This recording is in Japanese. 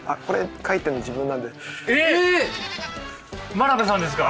真鍋さんですか？